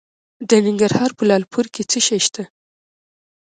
د ننګرهار په لعل پورې کې څه شی شته؟